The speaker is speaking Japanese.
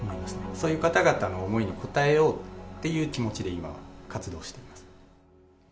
そういう方々の思いに応えようっていう気持ちで、今活動しています。